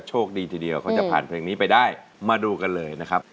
โชคดีทีเดียวเขาจะผ่านเพลงนี้ไปได้มาดูกันเลยนะครับ